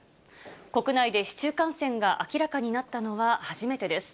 国内で市中感染が明らかになったのは初めてです。